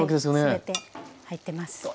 全て入ってます。